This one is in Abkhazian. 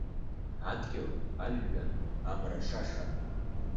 Адгьыл, ажәҩан, амра шаша.